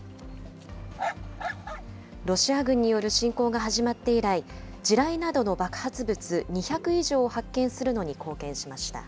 ロシア軍による侵攻が始まって以来、地雷などの爆発物２００以上を発見するのに貢献しました。